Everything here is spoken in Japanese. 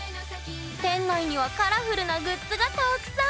店内にはカラフルなグッズがたくさん！